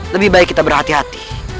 lebih baik kita berhati hati